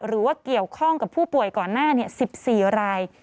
หรือว่าเกี่ยวข้องกับผู้ป่วยก่อนหน้า๑๔ราย